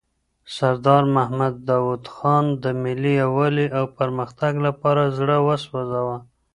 سردار محمد داود خان د ملي یووالي او پرمختګ لپاره زړه وسوزاوه.